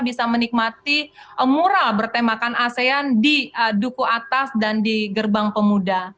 bisa menikmati mural bertemakan asean di duku atas dan di gerbang pemuda